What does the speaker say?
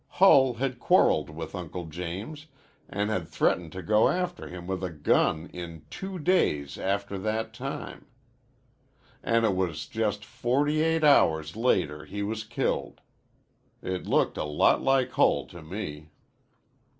Hull had quarreled with Uncle James an' had threatened to go after him with a gun in two days after that time and it was just forty eight hours later he was killed. It looked a lot like Hull to me.